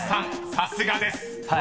さすがです］